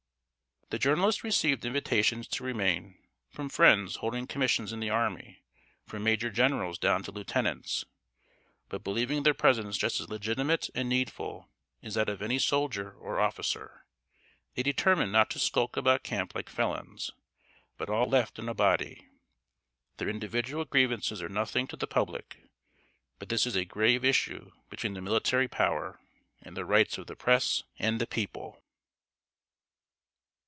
The journalists received invitations to remain, from friends holding commissions in the army, from major generals down to lieutenants; but, believing their presence just as legitimate and needful as that of any soldier or officer, they determined not to skulk about camps like felons, but all left in a body. Their individual grievances are nothing to the public; but this is a grave issue between the Military Power and the rights of the Press and the People.